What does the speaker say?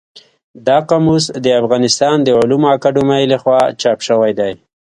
دا قاموس د افغانستان د علومو اکاډمۍ له خوا چاپ شوی دی.